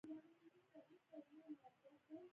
ځینې وختونه دا خدمات بیخي شتون نه لري